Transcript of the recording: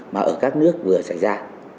mà ở các nước vừa xảy ra